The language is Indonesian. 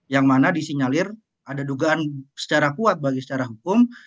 yang mana disinyalir ada dugaan secara kuat bagi secara hukum